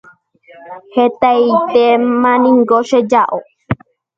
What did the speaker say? Hetaitémaniko cheja'o.